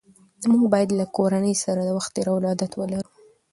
موږ باید له کورنۍ سره د وخت تېرولو عادت ولرو